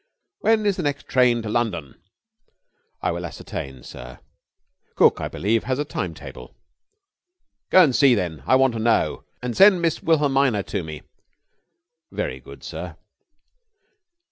"When is the next train to London?" "I will ascertain, sir. Cook, I believe has a time table." "Go and see, then. I want to know. And send Miss Wilhelmina to me." "Very good, sir."